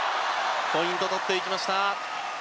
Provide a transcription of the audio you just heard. ポイントを取っていきました。